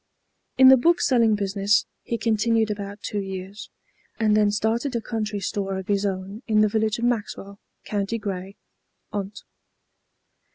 In the bookselling business he continued about two years, and then started a country store of his own in the village of Maxwell, County Grey, Ont.